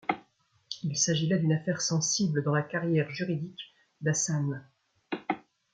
Il s'agit là d'une affaire sensible dans la carrière juridique d'Ahsan.